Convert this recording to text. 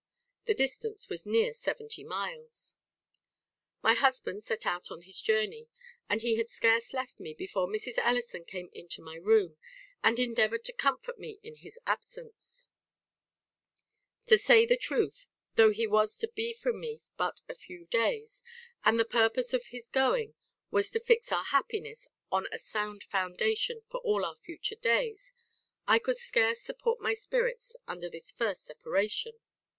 The distance was near seventy miles. "My husband set out on his journey, and he had scarce left me before Mrs. Ellison came into my room, and endeavoured to comfort me in his absence; to say the truth, though he was to be from me but a few days, and the purpose of his going was to fix our happiness on a sound foundation for all our future days, I could scarce support my spirits under this first separation.